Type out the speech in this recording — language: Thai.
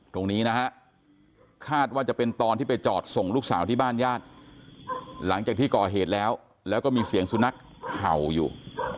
ตรงนี้นะฮะคาดว่าจะเป็นตอนที่ไปจอดส่งลูกสาวที่บ้านญาติหลังจากที่ก่อเหตุแล้วแล้วก็มีเสียงสุนัขเห่าอยู่